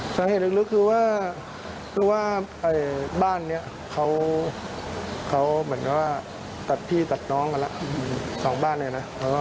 แล้วสายเหตุสายเหตุลึกนี่มัน